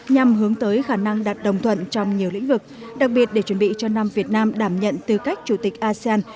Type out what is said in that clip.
nhằm hướng tới khả năng đạt đồng thuận trong nhiều lĩnh vực đặc biệt để chuẩn bị cho năm việt nam đảm nhận tư cách chủ tịch asean